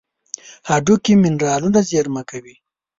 هډوکي منرالونه زیرمه کوي.